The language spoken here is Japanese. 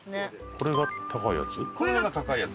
これが高いやつ。